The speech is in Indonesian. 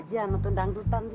itu yang tadi